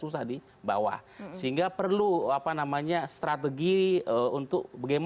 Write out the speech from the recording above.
jadi bahuta kru misalkan mereka untuk berahl